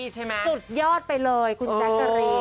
สุดยอดไปเลยคุณแจ๊กกะรีน